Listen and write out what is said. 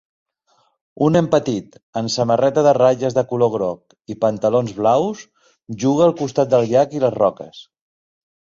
Un nen petit amb samarreta de ratlles de color groc i pantalons blaus juga al costat del llac i les roques